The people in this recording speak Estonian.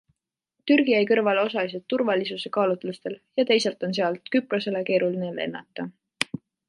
Türgi jäi kõrvale osaliselt turvalisuse kaalutlusel ja teisalt on sealt Küprosele keeruline lennata.